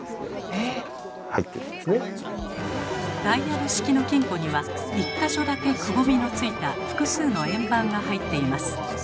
ダイヤル式の金庫には１か所だけくぼみのついた複数の円盤が入っています。